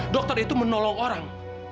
dokter itu menolong orang